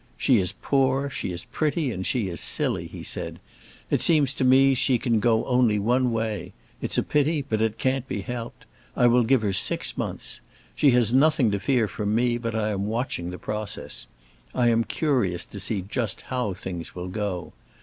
"She is poor, she is pretty, and she is silly," he said, "it seems to me she can go only one way. It's a pity, but it can't be helped. I will give her six months. She has nothing to fear from me, but I am watching the process. I am curious to see just how things will go.